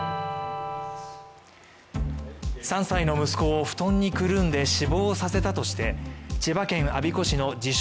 ３歳の息子を布団にくるんで死亡させたとして千葉県我孫子市の自称